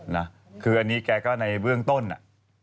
นะคืออันนี้แกก็ในเบื้องต้นอ่ะ